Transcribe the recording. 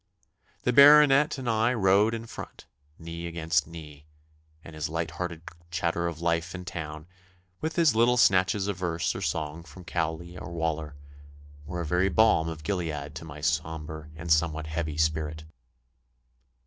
The Baronet and I rode in front, knee against knee, and his light hearted chatter of life in town, with his little snatches of verse or song from Cowley or Waller, were a very balm of Gilead to my sombre and somewhat heavy spirit.